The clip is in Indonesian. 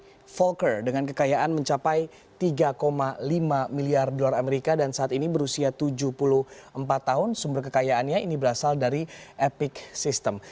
ini volker dengan kekayaan mencapai tiga lima miliar dolar amerika dan saat ini berusia tujuh puluh empat tahun sumber kekayaannya ini berasal dari epic system